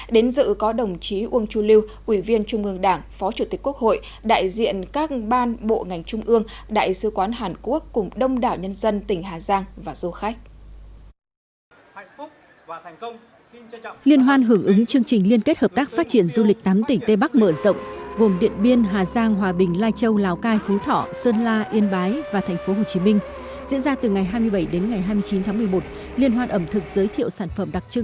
đến dự có đồng chí uông chu lưu ủy viên trung ương đảng phó chủ tịch quốc hội đại diện các ban bộ ngành trung ương đại sứ quán hàn quốc cùng đông đảo nhân dân tỉnh hà giang và du khách